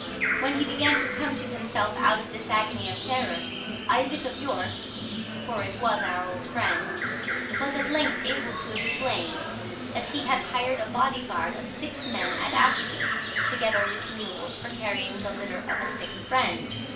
When he began to come to himself out of this agony of terror, Isaac of York (for it was our old friend) was at length able to explain, that he had hired a body guard of six men at Ashby, together with mules for carrying the litter of a sick friend.